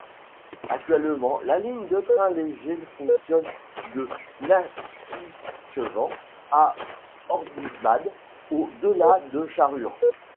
Actuellement, la ligne de train léger fonctionne de Nakhitchevan à Ordubad au-delà de Charur.